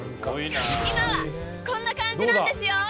今はこんな感じなんですよ！